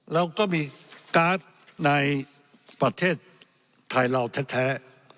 แล้วก็มีการ์ดในประเทศไทยเราแท้